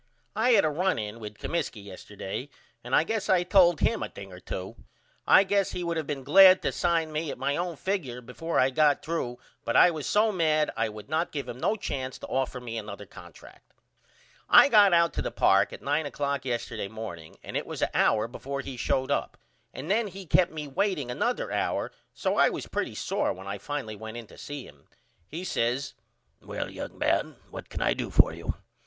I had a run in with Comiskey yesterday and I guess I told him a thing or 2. I guess he would of been glad to sign me at my own figure before I got threw but I was so mad I would not give him no chance to offer me another contract. I got out to the park at 9 oclock yesterday morning and it was a hour before he showed up and then he kept me waiting another hour so I was pretty sore when I finally went in to see him. He says Well young man what can I do for you?